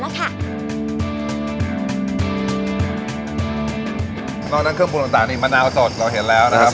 นอกจากเครื่องพูดต่างนี้มะน้าสดเราเห็นแล้วนะครับ